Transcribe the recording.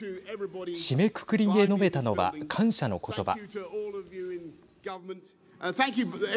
締めくくりで述べたのは感謝の言葉。